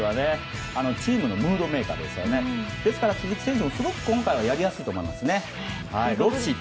チームのムードメイカーだったので鈴木選手も今回はやりやすいと思います。